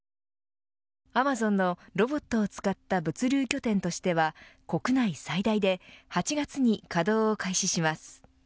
アマゾンのロボットを使った物流拠点としては国内最大で８月に稼働を開始します。